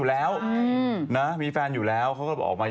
อ่ะแล้วผลกฏว่าผลกฏว่าคนก็เห็นว่า